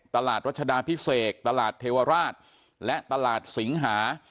รัชดาพิเศษตลาดเทวราชและตลาดสิงหา